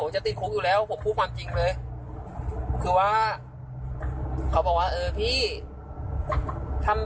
จะติดคุกอยู่แล้วผมพูดความจริงเลยคือว่าเขาบอกว่าเออพี่ทำ